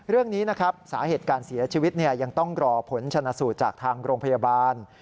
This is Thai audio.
เรื่องนี้นะครับสาเหตุการเสียชีวิตยังต้องรอผลชนะสูตรจากทางโรงพยาบาล